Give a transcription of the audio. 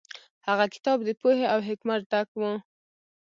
هغه کتاب د پوهې او حکمت ډک و.